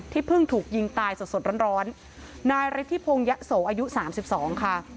ที่เพิ่งถูกยิงตายสดร้อนร้อนนายฤทธิพงยะโสอายุสามสิบสองค่ะ